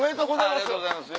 ありがとうございます。